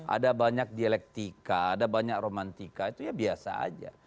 ada banyak dialektika ada banyak romantika itu ya biasa aja